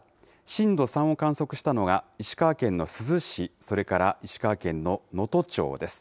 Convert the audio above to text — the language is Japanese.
震度３を観測したのが石川県の珠洲市、それから石川県の能登町です。